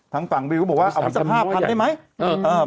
ทางฝั่งบิวบอกว่าเอาไปสัก๕๐๐ได้ไหม